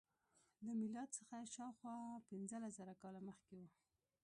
له میلاد څخه شاوخوا پنځلس زره کاله مخکې و.